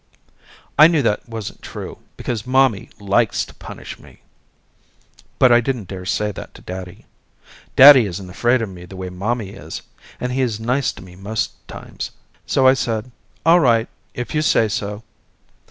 I knew that wasn't true because mommy likes to punish me but I didn't dare say that to daddy. Daddy isn't afraid of me the way mommy is and he is nice to me most times, so I said all right if you say so.